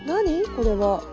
これは。